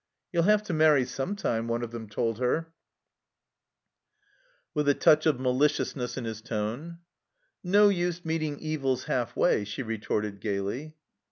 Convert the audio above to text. " You'll have to marry some time," one of them told her, with a touch of maliciousness in his tone. "No use meeting evils half way," she retorted gaily.